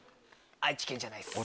愛知県じゃないっす。